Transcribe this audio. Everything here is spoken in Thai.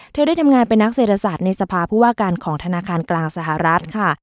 ได้ทำงานเป็นนักเศรษฐศาสตร์ในสภาผู้ว่าการของธนาคารกลางสหรัฐค่ะ